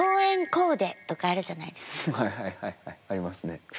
はいはいはいはいありますね。